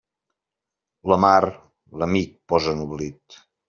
La mar, l'amic posa en oblit.